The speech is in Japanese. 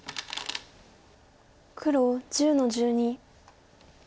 黒１０の十二。